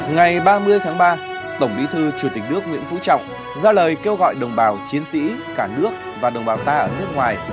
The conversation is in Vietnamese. ngày ba mươi tháng ba tổng bí thư chủ tịch nước nguyễn phú trọng ra lời kêu gọi đồng bào chiến sĩ cả nước và đồng bào ta ở nước ngoài